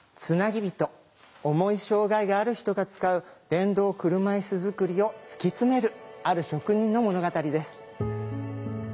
重い障害がある人が使う電動車いす作りを突き詰めるある職人の物語です。